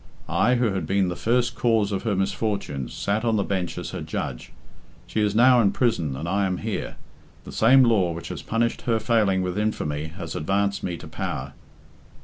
I, who had been the first cause of her misfortunes, sat on the bench as her judge. She is now in prison and I am here. The same law which has punished her failing with infamy has advanced me to power."